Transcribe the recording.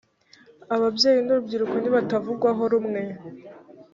ababyeyi n’ urubyiruko ntibatavugwaho rumwe,